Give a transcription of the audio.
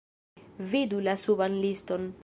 Vidu la suban liston!